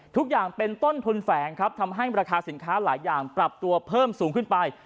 ทุกอย่างเป็นต้นทุนแฝงครับทำให้ราคาสินค้าหลายอย่างปรับตัวเพิ่มสูงขึ้นไป